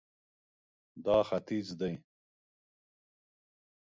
دا ختیځ دی